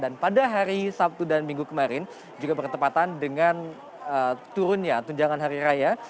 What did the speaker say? dan pada hari sabtu dan minggu kemarin juga bertepatan dengan turunnya tunjangan hari raya